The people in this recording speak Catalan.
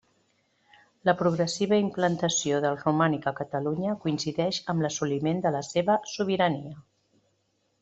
La progressiva implantació del romànic a Catalunya coincideix amb l'assoliment de la seva sobirania.